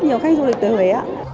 nhiều khách du lịch tới huế